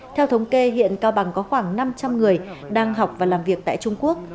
theo thống kê hiện cao bằng có khoảng năm trăm linh người đang học và làm việc tại trung quốc